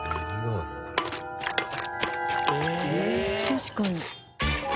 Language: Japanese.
確かに。